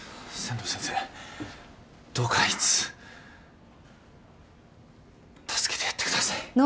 仙道先生どうかあいつ助けてやってください。